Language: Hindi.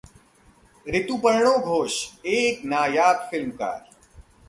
ऋतुपर्णो घोष: एक नायाब फिल्मकार...